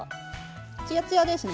つやつやですね。